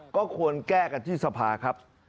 ก็ควรแก้กันที่สภาครับ